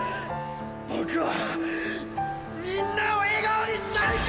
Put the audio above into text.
僕はみんなを笑顔にしたいんだ！！